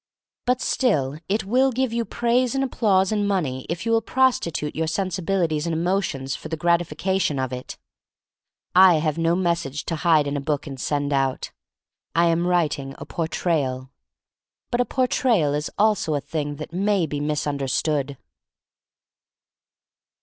But still it will give you praise and applause and money if you will prosti tute your sensibilities and emotions for the gratification of it. I have no message to hide in a book and send out. I am writing a Por trayal. But a Portrayal is also a thing that may be misunderstood.